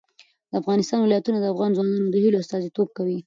د افغانستان ولايتونه د افغان ځوانانو د هیلو استازیتوب کوي.